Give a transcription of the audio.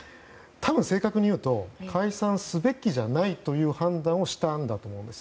多分正確に言うと解散すべきじゃないという判断をしたんだと思います。